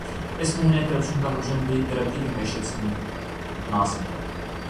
اس مبینہ کرپشن کا حجم بھی ترکی کی معیشت سے متناسب ہے۔